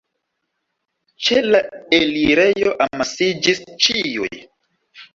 Ĉe la elirejo amasiĝis ĉiuj.